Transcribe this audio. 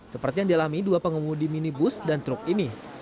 seperti yang dialami dua pengemudi minibus dan truk ini